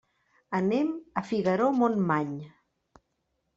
Anem a Figaró-Montmany.